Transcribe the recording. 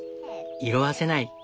色あせない。